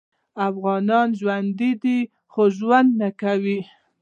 افغانان ژوندي دې خو ژوند نکوي